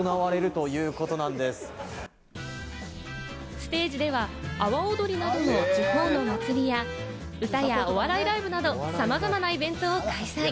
ステージでは阿波踊りなどの地方の祭りや、歌やお笑いライブなど様々なイベントを開催。